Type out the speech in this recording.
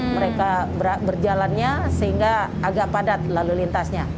mereka berjalannya sehingga agak padat lalu lintasnya